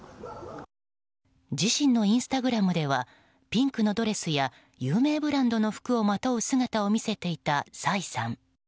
自身のインスタグラムではピンクのドレスや有名ブランドの服をまとう姿を見せていたサイさん。